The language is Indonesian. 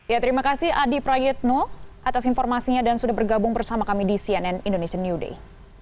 ya terima kasih adi prayetno atas informasinya dan sudah bergabung bersama kami di cnn indonesian new day